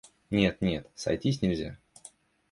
Нет, нет, сойтись нельзя.